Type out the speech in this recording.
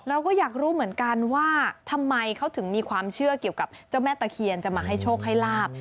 เราก็อยากรู้เหมือนกันว่าทำไมเขาถึงมีความเชื่อเกี่ยวกับเจ้าแม่ตะเคียนจะมาให้โชคให้ลาบ